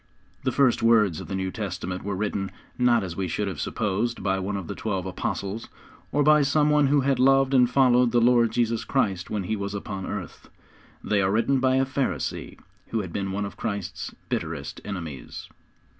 The first words of the New Testament were written, not as we should have supposed by one of the twelve apostles, or by some one who had loved and followed the Lord Jesus Christ when He was upon earth. They are written by a Pharisee who had been one of Christ's bitterest enemies.